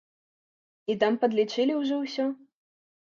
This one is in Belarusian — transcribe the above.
І там падлічылі ўжо ўсё?